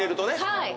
はい。